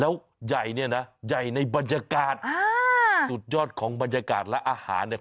แล้วใหญ่เนี่ยนะใหญ่ในบรรยากาศอ่าสุดยอดของบรรยากาศและอาหารเนี่ย